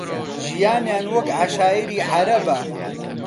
ژیانیان وەک عەشایری عەرەبە